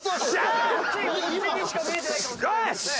よし！